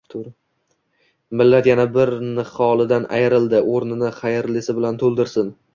Millat yana bir niholidan ayrildi... O‘rnini xayrlisi bilan to‘ldirsin!»